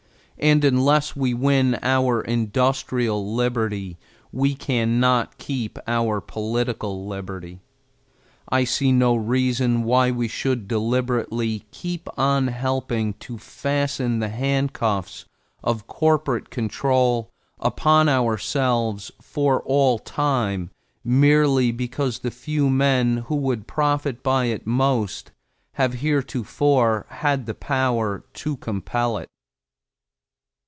And unless we win our industrial liberty, we can not keep our political liberty. I see no reason why we should deliberately keep on helping to fasten the handcuffs of corporate control upon ourselves for all time merely because the few men who would profit by it most have heretofore had the power to compel it.